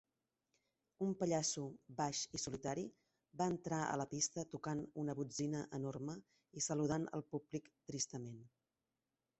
Un pallasso baix i solitari va entrar a la pista tocant una botzina enorme i saludant el públic tristament.